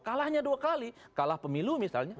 kalahnya dua kali kalah pemilu misalnya